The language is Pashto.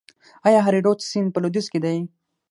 آیا هریرود سیند په لویدیځ کې دی؟